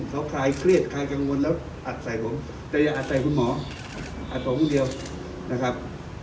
เขาคลายเครียดคลายกังวลแล้วอัดใส่ผมแต่อย่าอัดใส่คุณหมออัดผมคนเดียวนะครับ